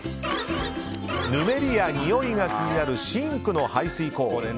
ぬめりやにおいが気になるシンクの排水口。